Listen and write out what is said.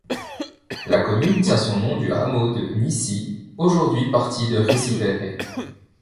La commune tient son nom du hameau de Nissi, aujourd'hui partie de Riisipere.